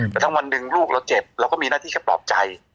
แต่ถ้าวันหนึ่งลูกเราเจ็บเราก็มีหน้าที่แค่ปลอบใจ